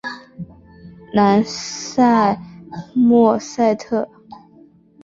南萨默塞特是一个位于英格兰萨默塞特郡的非都市区。